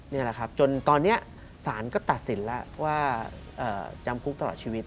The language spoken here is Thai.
นี่แหละครับจนตอนนี้สารก็ตัดสินแล้วว่าจำคุกตลอดชีวิต